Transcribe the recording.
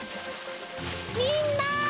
みんな！